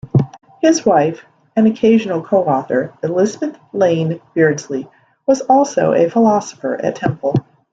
His wife and occasional coauthor, Elizabeth Lane Beardsley, was also a philosopher at Temple.